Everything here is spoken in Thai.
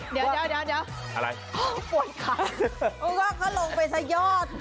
เพราะว่าเขาลงไปซะยอด